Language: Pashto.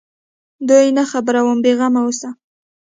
دوى نه خبروم بې غمه اوسه.